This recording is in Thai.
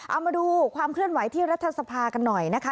เอามาดูความเคลื่อนไหวที่รัฐสภากันหน่อยนะคะ